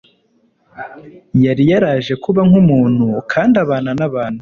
Yari yaraje kuba nk'umuntu kandi abana n'abantu,